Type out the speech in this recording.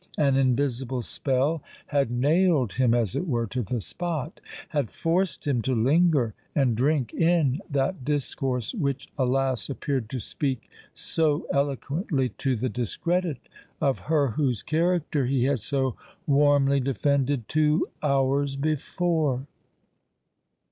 An invisible spell had nailed him as it were to the spot—had forced him to linger and drink in that discourse which, alas! appeared to speak so eloquently to the discredit of her whose character he had so warmly defended two hours before!